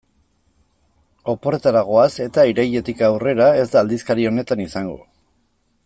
Oporretara goaz eta irailetik aurrera ez da aldizkari honetan izango.